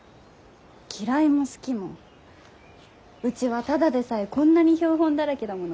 嫌いも好きもうちはただでさえこんなに標本だらけだもの。